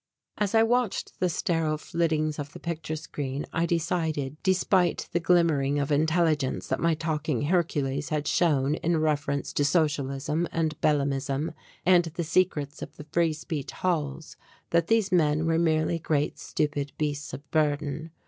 As I watched the sterile flittings of the picture screen I decided, despite the glimmering of intelligence that my talking Hercules had shown in reference to socialism and Bellamism and the secrets of the Free Speech Halls, that these men were merely great stupid beasts of burden.